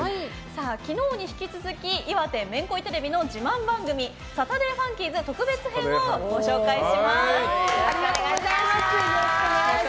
昨日に引き続き岩手めんこいテレビの自慢番組「サタデーファンキーズ」特別編をご紹介します。